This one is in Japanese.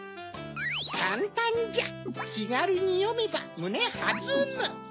かんたんじゃきがるによめばむねはずむ。